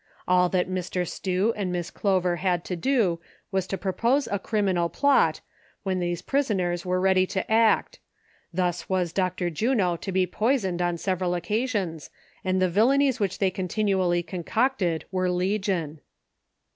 All tliat Mr. Stew and Miss Clover had to do was to propose a criminal plot, wlien these prisoners were ready to act ; thus was Dr. Juno to be poisoned on several occasions, and the villanies which they continually concocted were legion.